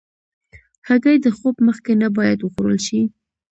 هګۍ د خوب مخکې نه باید وخوړل شي.